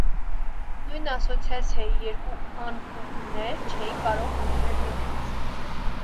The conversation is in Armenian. Նույն ասոցացիայի երկու անկումբներ չէին կարող հանդիպել միմյանց։